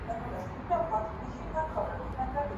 د سهار باده تازه نسیمه